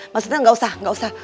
maksudnya nggak usah nggak usah